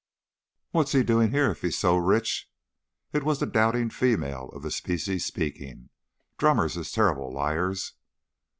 "What's he doin' here if he's so rich?" It was the doubting female of the species speaking. "Drummers is terrible liars."